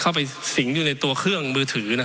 เข้าไปสิงอยู่ในตัวเครื่องมือถือ